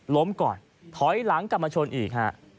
ล้มก่อนถอยหลังกลับมาชนอีกฮะ